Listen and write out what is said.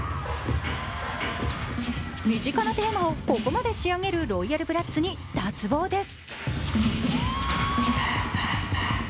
身近なテーマをここまで仕上げるＲＯＹＡＬＢＲＡＴＳに脱帽です。